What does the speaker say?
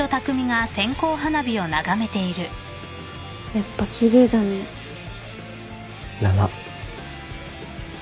やっぱ奇麗だね。だな。